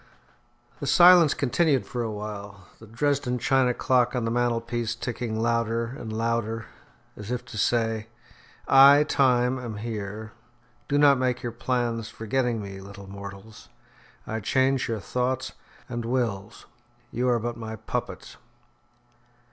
The silence continued for a while, the Dresden china clock on the mantelpiece ticking louder and louder as if to say, "I, Time, am here. Do not make your plans forgetting me, little mortals; I change your thoughts and wills. You are but my puppets."